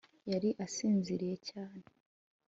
yari asinziriye cyane